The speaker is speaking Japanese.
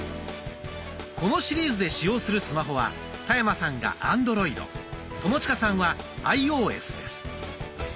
このシリーズで使用するスマホは田山さんがアンドロイド友近さんはアイオーエスです。